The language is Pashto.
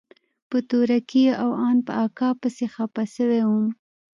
په تورکي او ان په اکا پسې خپه سوى وم.